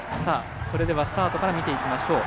それではスタートから見ていきましょう。